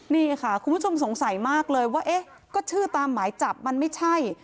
นี่ค่ะคุณผู้ชมสงสัยมากเลยว่าเอ๊ะก็ชื่อตามหมายจับมันไม่ใช่